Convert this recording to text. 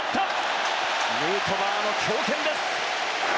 ヌートバーの強肩です。